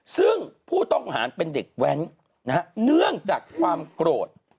ซึ่งผู้ต้องหาเป็นเด็กแว้นเนื่องจากความโกรธ